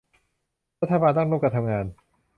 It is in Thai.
รัฐบาลต้องร่วมกันทำงาน